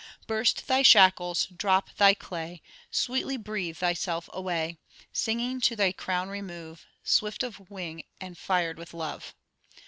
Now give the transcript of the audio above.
Burst thy shackles, drop thy clay, Sweetly breathe thyself away: Singing, to thy crown remove, Swift of wing, and fired with love.'